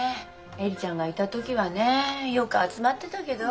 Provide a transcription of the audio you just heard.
恵里ちゃんがいた時はねよく集まってたけど。